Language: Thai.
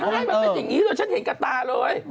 ใช่มันเป็นอย่างนี้เลยฉันเห็นกับตาเลย